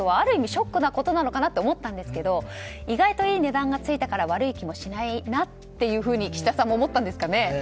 ショックなことなのかなと思ったんですけど意外といい値段がついたから悪い気もしないなというふうに岸田さんも思ったんですかね。